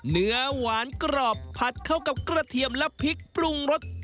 เนื้อหวานกรอบผัดเข้ากับกระเทียมและพริกปรุงรส